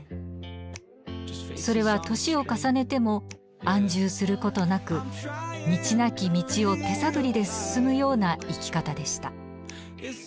それは年を重ねても安住することなく道なき道を手探りで進むような生き方でした。